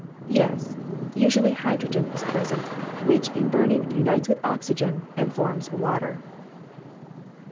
_ Yes. Usually hydrogen is present, which in burning unites with oxygen, and forms water.